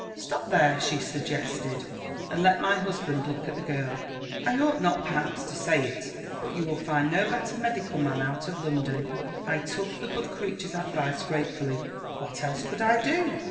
'Stop there,' she suggested, 'and let my husband look at the girl. I ought not perhaps to say it, but you will find no better medical man out of London.' I took the good creature's advice gratefully. What else could I do?"